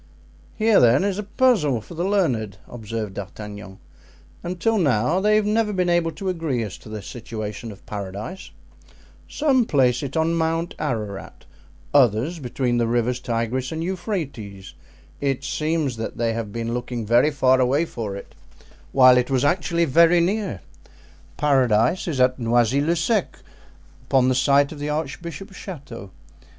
"Here, then, is a puzzle for the learned," observed D'Artagnan, "until now they have never been able to agree as to the situation of Paradise; some place it on Mount Ararat, others between the rivers Tigris and Euphrates; it seems that they have been looking very far away for it, while it was actually very near. Paradise is at Noisy le Sec, upon the site of the archbishop's chateau.